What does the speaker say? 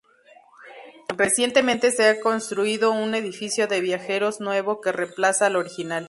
Recientemente se ha construido un edificio de viajeros nuevo que reemplaza al original.